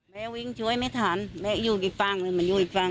แม่วิ่งช่วยไม่ทันแม่อยู่อีกฝั่งหนึ่งมันอยู่อีกฝั่ง